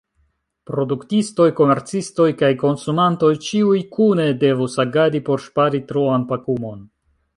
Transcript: Produktistoj, komercistoj kaj konsumantoj, ĉiuj kune devus agadi por ŝpari troan pakumon.